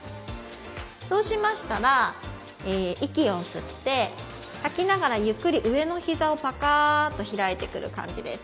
そうしましたら息を吸って吐きながらゆっくり上のひざをパカッと開いてくる感じです